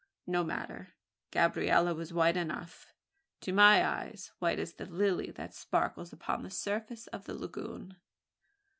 No matter; Gabriella was white enough to my eyes white as the lily that sparkles upon the surface of the lagoon.